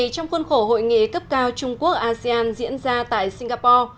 trong khuôn khổ hội nghị cấp cao trung quốc asean diễn ra tại singapore